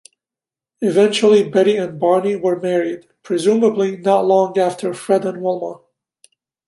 Eventually, Betty and Barney were married, presumably not long after Fred and Wilma.